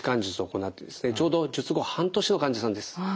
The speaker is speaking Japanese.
ちょうど術後半年の患者さんです。